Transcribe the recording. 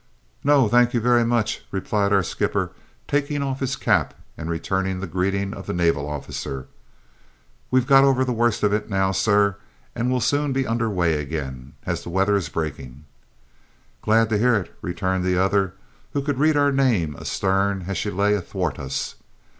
"No, thank you very much," replied our skipper, taking off his cap and returning the greeting of the naval officer. "We've got over the worst of it now, sir, and will be soon under weigh again, as the weather is breaking." "Glad to hear it," returned the other, who could read our name astern as she lay athwart us.